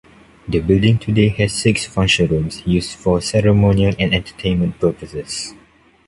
The building today has six function rooms used for ceremonial and entertainment purposes.